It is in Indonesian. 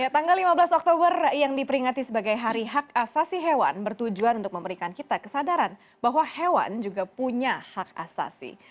tanggal lima belas oktober yang diperingati sebagai hari hak asasi hewan bertujuan untuk memberikan kita kesadaran bahwa hewan juga punya hak asasi